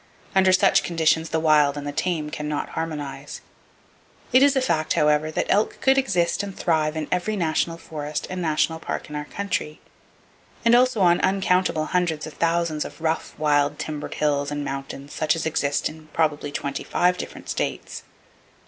Under such conditions the wild and the tame cannot harmonize. It is a fact, however, that elk could exist and thrive in every national forest and national park in our country, and also on uncountable hundreds of thousands of rough, wild, timbered hills and mountains such as exist in probably twenty five different states.